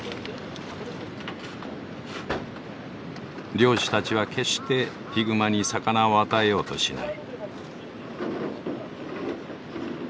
漁師たちは決してヒグマに魚を与えようとしない。